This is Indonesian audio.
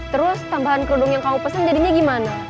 terus tambahan kerudung yang kamu pesen jadinya gimana